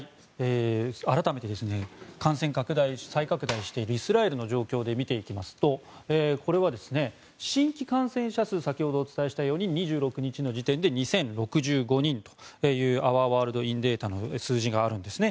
改めて感染が再拡大しているイスラエルの状況を見ていきますとこれは、新規感染者数先ほどお伝えしたとおり２６日の時点で２０６５人というアワー・ワールド・イン・データの数字があるんですね。